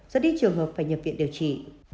rất ít trường hợp phải nhập viện điều trị